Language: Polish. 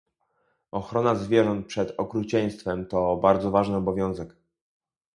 Ochrona zwierząt przed okrucieństwem to bardzo ważny obowiązek